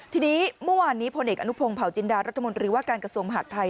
ทีนี้เมื่อวานนี้พลเอกอนุพงศ์เผาจินดารัฐมนตรีว่าการกระทรวงมหาดไทย